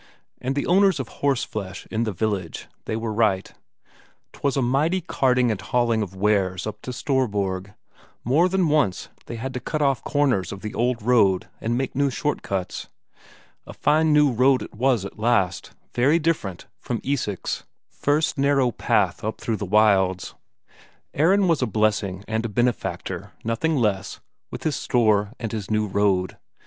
And the owners of horse flesh in the village, they were right; 'twas a mighty carting and hauling of wares up to Storborg; more than once they had to cut off corners of the old road and make new short cuts a fine new road it was at last, very different from Isak's first narrow path up through the wilds. Aron was a blessing and a benefactor, nothing less, with his store and his new road.